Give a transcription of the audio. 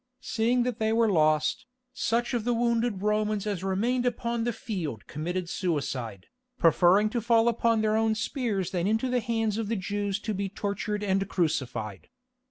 Seeing that they were lost, such of the wounded Romans as remained upon the field committed suicide, preferring to fall upon their own spears than into the hands of the Jews to be tortured and crucified.